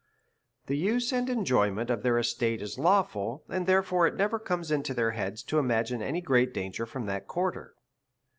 The use and enjoyment of their estates is lawful, and therefore it never comes into their heads to imagine any great danger fiom that c[uarter.